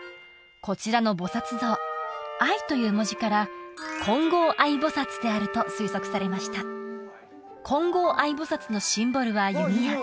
こちらの菩薩像「愛」という文字から金剛愛菩薩であると推測されました金剛愛菩薩のシンボルは弓矢